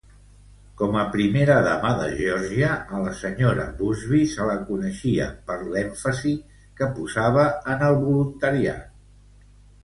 Com a primera dama de Geòrgia, a la Sra. Busbee se la coneixia per l'èmfasi que posava en el voluntariat.